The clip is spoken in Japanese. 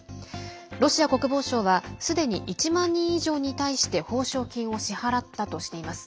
ロシア国防省はすでに１万人以上に対して報奨金を支払ったとしています。